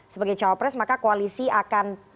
sebagai cowok pres maka koalisi akan